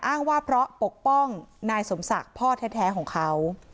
อ้างว่าเพราะปกป้องนายสมศักดิ์พ่อแท้ของเขา